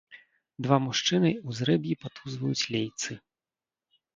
Два мужчыны ў зрэб'і патузваюць лейцы.